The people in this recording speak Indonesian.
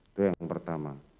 itu yang pertama